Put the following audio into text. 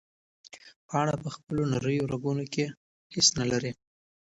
پاڼه په خپلو نریو رګونو کې هیڅ نه لري.